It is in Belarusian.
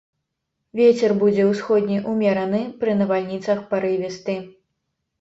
Вецер будзе ўсходні ўмераны, пры навальніцах парывісты.